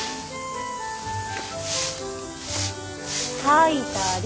掃いたり。